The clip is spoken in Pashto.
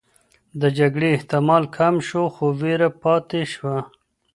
د جګړې احتمال کم شو، خو ویره پاتې شوه.